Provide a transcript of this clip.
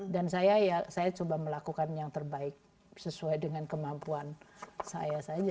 dan saya ya saya coba melakukan yang terbaik sesuai dengan kemampuan saya saja